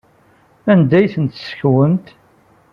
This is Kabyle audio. Anda ay tent-tessekwemt?